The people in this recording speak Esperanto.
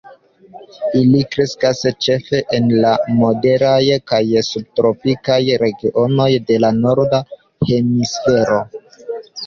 Ili kreskas ĉefe en la moderaj kaj subtropikaj regionoj de la norda hemisfero.